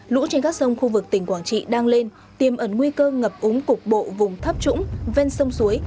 lũ trên các sông khu vực tỉnh quảng trị đang lên tiêm ẩn nguy cơ ngập úng cục bộ vùng thấp trũng ven sông suối